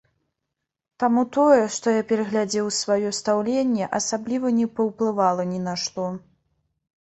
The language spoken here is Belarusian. Таму тое, што я перагледзеў сваё стаўленне, асабліва не паўплывала ні на што.